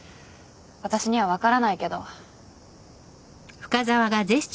私には分からないけど。